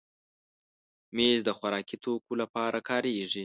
مېز د خوراکي توکو لپاره کارېږي.